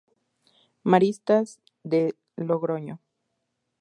Maristas de Logroño.